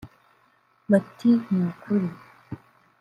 Bati “n’ukuri